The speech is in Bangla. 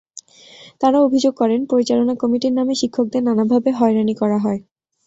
তাঁরা অভিযোগ করেন, পরিচালনা কমিটির নামে শিক্ষকদের নানাভাবে হয়রানি করা হয়।